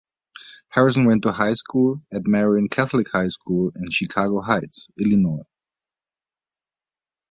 Harrison went to high school at Marian Catholic High School in Chicago Heights, Illinois.